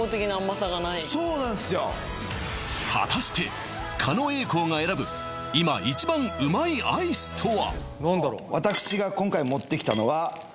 果たして狩野英孝が選ぶ今一番うまいアイスとは？